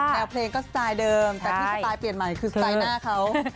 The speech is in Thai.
แนวเพลงก็สไตล์เดิมแต่ที่สไตล์เปลี่ยนใหม่คือสไตล์หน้าเขา